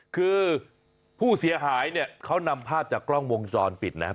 คือผู้เสียหายเนี่ยเขานำภาพจากกล้องวงจรปิดนะครับ